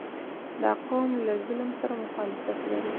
• دا قوم له ظلم سره مخالفت لري.